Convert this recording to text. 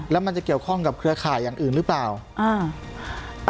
แล้วมันจะเกี่ยวข้องกับเครือข่ายอย่างอื่นหรือเปล่าอ่า